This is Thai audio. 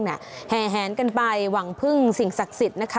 แห่แหนกันไปหวังพึ่งสิ่งศักดิ์สิทธิ์นะคะ